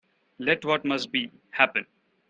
Let what must be, happen.